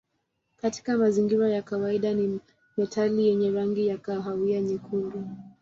Katika mazingira ya kawaida ni metali yenye rangi ya kahawia nyekundu.